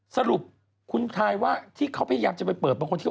สรุปคุณทายว่าที่เขาพยายามจะไปเปิดบางคนที่